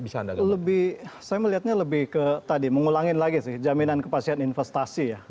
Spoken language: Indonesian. saya melihatnya lebih ke tadi mengulangi lagi sih jaminan kepastian investasi ya